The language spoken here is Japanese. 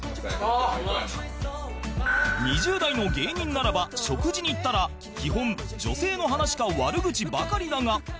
２０代の芸人ならば食事に行ったら基本女性の話か悪口ばかりだが